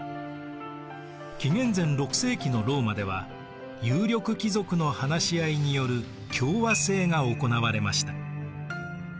紀元前６世紀のローマでは有力貴族の話し合いによる共和政が行われました。